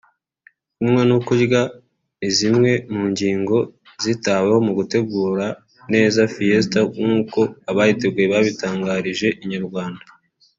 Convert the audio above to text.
Kunywa no kurya ni zimwe mu ngingo zitaweho mu gutegura neza Fiesta nkuko abayiteguye babitangarije Inyarwanda